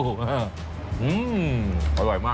อืมอร่อยมากคุณแม่